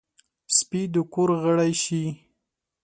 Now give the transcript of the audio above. سپي د کور غړی شي.